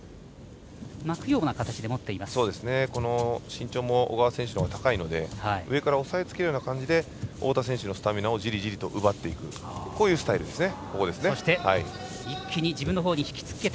身長も小川選手のほうが高いので上から抑えつけるような形で太田選手のスタミナを奪っていくスタイルですね。